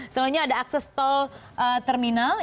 selanjutnya ada akses tol terminal